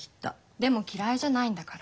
でも嫌いじゃないんだから。